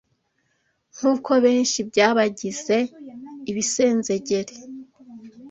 nk’uko benshi byabagize ibisenzegeri